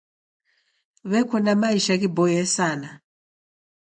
W'eko na maisha ghiboie sana.